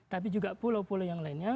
tapi juga pulau pulau yang lainnya